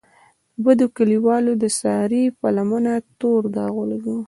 بدو کلیوالو د سارې په لمنه تور داغ ولګولو.